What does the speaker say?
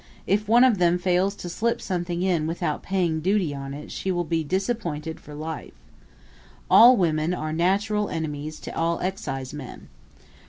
If one of them fails to slip something in without paying duty on it she will be disappointed for life. All women are natural enemies to all excise men.